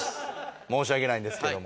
申し訳ないんですけども。